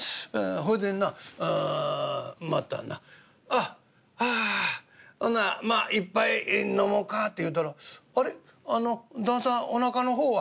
ほいでなまたな『あっあほなまあ一杯飲もか』って言うたら『あれ？旦さんおなかの方は？』。